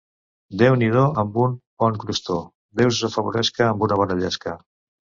Déu n'hi do amb un bon crostó, Déu us afavoresca amb una bona llesca.